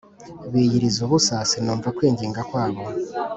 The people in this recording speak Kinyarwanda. biyiriza ubusa sinumva kwinginga kwabo